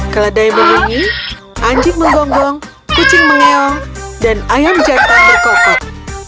keledai berbunyi anjing menggonggong kucing menggeong dan ayam jantan berkokok